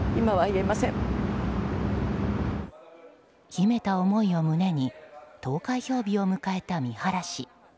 秘めた思いを胸に投開票日を迎えた三原氏。